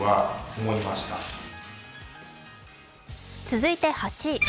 続いて８位。